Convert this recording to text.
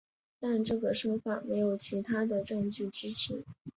但这个说法没有其他的证据支持。